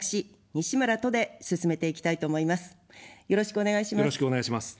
よろしくお願いします。